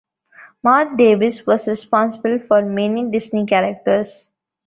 Marc Davis was responsible for many Disney characters.